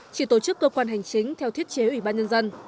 chỉ tổ chức cơ quan hành chính theo thiết chế ủy ban nhân dân